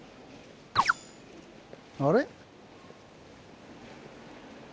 あれ？